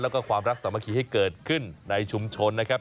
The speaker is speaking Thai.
แล้วก็ความรักสามัคคีให้เกิดขึ้นในชุมชนนะครับ